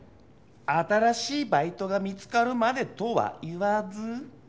「新しいバイトが見つかるまでとは言わず」？